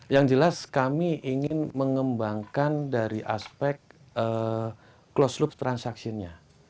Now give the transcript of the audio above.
yang jelas kami ingin mengembangkan dari aspek closed loop transaksinya